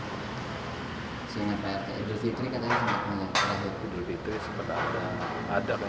pak adhika pak adil fitri katanya sempet mengarahin